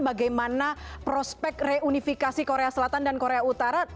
bagaimana prospek reunifikasi korea selatan dan korea utara